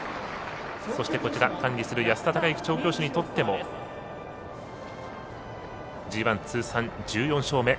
そして、こちら管理する安田隆行調教師にとってもＧＩ通算１４勝目。